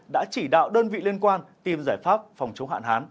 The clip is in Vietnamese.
đã chỉ đạo đơn vị liên quan tìm giải pháp phòng chống hạn hán